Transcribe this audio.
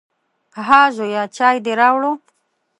_ها زويه، چای دې راووړ؟